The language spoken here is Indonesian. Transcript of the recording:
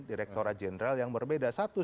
direkturat jenderal yang berbeda satu